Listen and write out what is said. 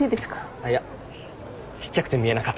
いやちっちゃくて見えなかっただけ。